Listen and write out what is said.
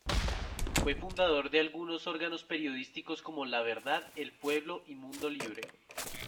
Fue fundador de algunos órganos periodísticos, como "La Verdad", "El Pueblo" y "Mundo Libre".